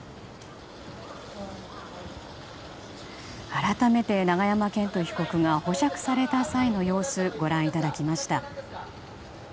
改めて、永山絢斗被告が保釈した際の様子をご覧いただきました。